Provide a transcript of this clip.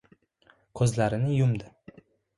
Ko‘zlarini yumdi.